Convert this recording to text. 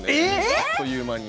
あっという間に。